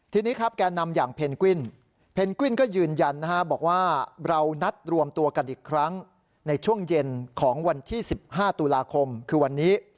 ทีนี้ครับแก่นำอย่างเพนกวินเพนกวินก็ยืนยันบอกว่าเรานัดรวมตัวกันอีกครั้งในช่วงเย็นของวันที่๑๕ตุลาคมคือวันนี้